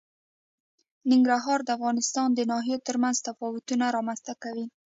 ننګرهار د افغانستان د ناحیو ترمنځ تفاوتونه رامنځ ته کوي.